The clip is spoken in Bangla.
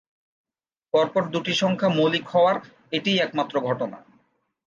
পরপর দুটি সংখ্যা মৌলিক হওয়ার এটিই একমাত্র ঘটনা।